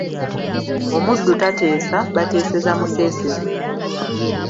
Omuddu tateesa, bateeseza muteeseze.